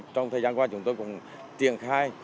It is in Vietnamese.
trong thời gian qua chúng tôi cũng tiện khai